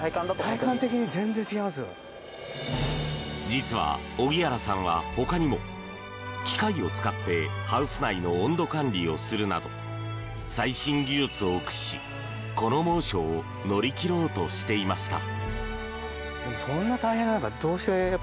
実は萩原さんは他にも機械を使ってハウス内の温度管理をするなど最新技術を駆使しこの猛暑を乗り切ろうとしていました。